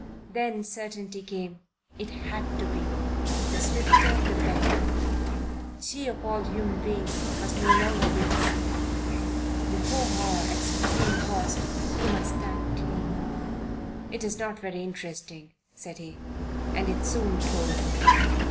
Then certainty came. It had to be. The swifter the better. She of all human beings must no longer be deceived. Before her, at supreme cost, he must stand clean. "It's not very interesting," said he. "And it's soon told.